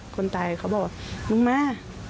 คนตายเขาบอกว่ามึงมา